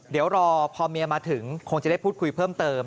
เดี๋ยวรอพอเมียมาถึงคงจะได้พูดคุยเพิ่มเติม